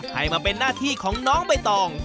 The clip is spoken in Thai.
ให้มาเป็นหน้าที่ของน้องใบตอง